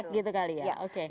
betul sekali gitu